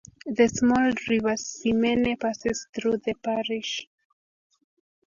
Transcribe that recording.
The small River Simene passes through the parish.